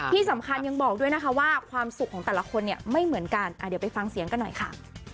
ที่สำคัญยังบอกด้วยนะคะว่าความสุขของแต่ละคนเนี่ยไม่เหมือนกันเดี๋ยวไปฟังเสียงกันหน่อยค่ะ